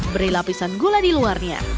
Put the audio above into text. beri lapisan gula di luarnya